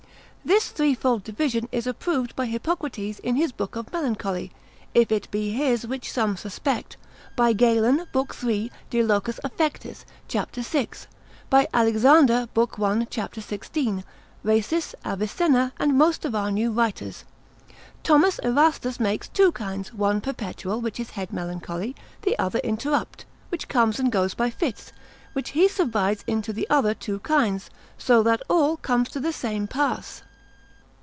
This threefold division is approved by Hippocrates in his Book of Melancholy, (if it be his, which some suspect) by Galen, lib. 3. de loc. affectis, cap. 6. by Alexander, lib. 1. cap. 16. Rasis, lib. 1. Continent. Tract. 9. lib. 1. cap. 16. Avicenna and most of our new writers. Th. Erastus makes two kinds; one perpetual, which is head melancholy; the other interrupt, which comes and goes by fits, which he subdivides into the other two kinds, so that all comes to the same pass.